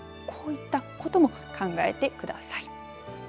こういったことも考えてください。